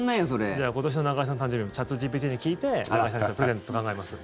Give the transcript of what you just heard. じゃあ今年の中居さんの誕生日もチャットＧＰＴに聞いて中居さんへのプレゼント考えます。